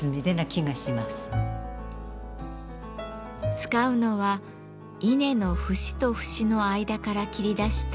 使うのは稲の節と節の間から切り出した